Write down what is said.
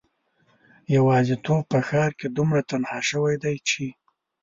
یوازیتوب په ښار کې دومره تنها شوی دی چې